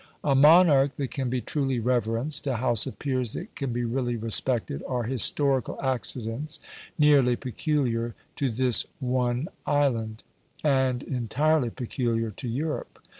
A monarch that can be truly reverenced, a House of Peers that can be really respected, are historical accidents nearly peculiar to this one island, and entirely peculiar to Europe.